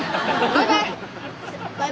バイバイ！